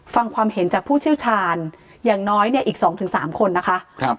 ฟังความเห็นจากผู้ชิวชาญอย่างน้อยเนี่ยอีกสองถึงสามคนนะคะครับ